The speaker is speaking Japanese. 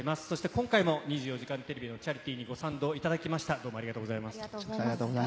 今回も『２４時間テレビ』のチャリティーにご賛同いただき、ありがとうございます。